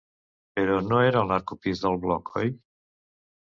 Però no era el narcopís del bloc, oi?